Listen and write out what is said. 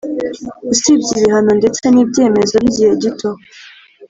Usibye ibihano ndetse n ibyemezo by igihe gito